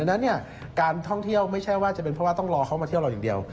นั้นเนี่ยการท่องเที่ยวไม่ใช่ว่าจะเป็นเพราะว่าต้องรอเขามาเที่ยวเราอย่างเดียว